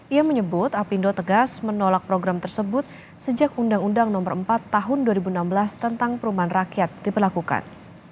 ia menyebut apindo tegas menolak program tersebut sejak undang undang no empat tahun dua ribu enam belas tentang perumahan rakyat diperlakukan